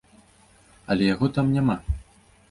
Але яго там няма!